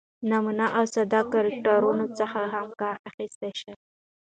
،نمونه او ساده کرکترونو څخه هم کار اخستل شوى